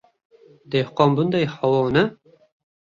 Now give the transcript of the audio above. Dehqon bunday havoni: